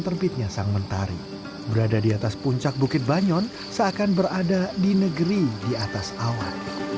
pemandangan yang terhampar di atas punggung banyon dapat dinikmati pada saat berada di atas awan